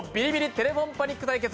テレフォンパニック対決！